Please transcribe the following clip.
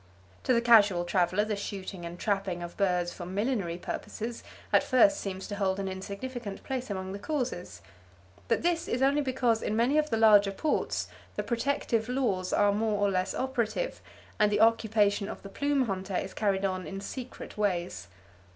To the casual traveller the shooting and trapping of birds for millinery purposes at first seems to hold an insignificant place among the causes. But this is only because in many of the larger ports, the protective laws are more or less operative and the occupation of the plume hunter [Page 196] is carried on in secret ways.